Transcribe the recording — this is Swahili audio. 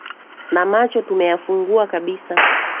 Na macho tumeyafungua kabisa